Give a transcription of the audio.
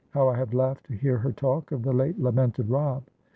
How I have laughed to hear her talk of the late lamented Robb!